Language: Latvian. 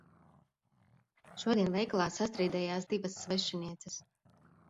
Šodien veikalā sastrīdējās divas svešinieces.